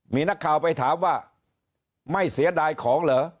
มีนักข่าวไปถามว่าไม่เสียดายของเหรอ